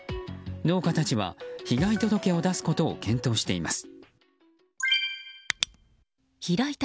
農家たちは被害届を出すことを検討しています。